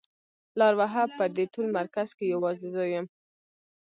لار وهه په دې ټول مرکز کې يوازې زه يم.